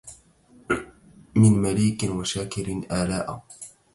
من مَليكٍ وشاكرٍ آلاءَ